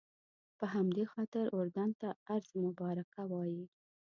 په همدې خاطر اردن ته ارض مبارکه وایي.